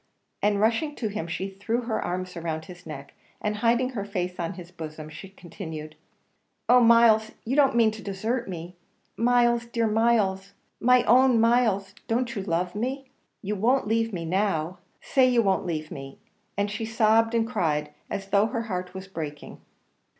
and rushing to him she threw her arms round his neck, and hiding her face on his bosom, she continued, "Oh, Myles! you don't mean to desert me! Myles dear Myles my own Myles don't you love me? you won't leave me now say you won't leave me!" and she sobbed and cried as though her heart was breaking.